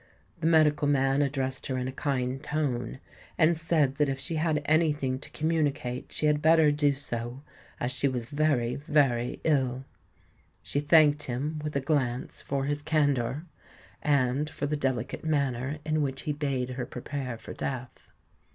The medical man addressed her in a kind tone, and said that if she had any thing to communicate she had better do so, as she was very, very ill. She thanked him with a glance for his candour, and for the delicate manner in which he bade her prepare for death.